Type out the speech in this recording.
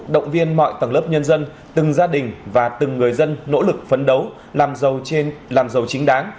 động viên mọi tầng lớp nhân dân từng gia đình và từng người dân nỗ lực phấn đấu làm giàu chính đáng